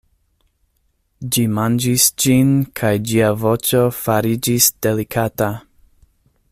Ĝi manĝis ĝin kaj ĝia voĉo fariĝis delikata.